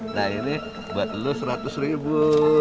nah ini buat lo seratus ribu